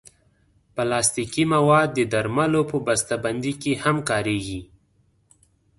پلاستيکي مواد د درملو په بستهبندۍ کې هم کارېږي.